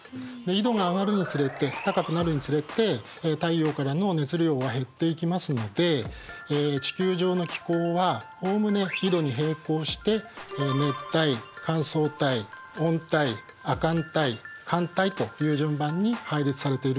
緯度が上がるにつれて高くなるにつれて太陽からの熱量は減っていきますので地球上の気候はおおむね緯度に並行して熱帯乾燥帯温帯亜寒帯寒帯という順番に配列されているんです。